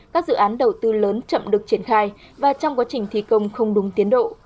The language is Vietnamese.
các dự án đầu tư lớn chậm được triển khai và trong quá trình thi công không đúng tiến độ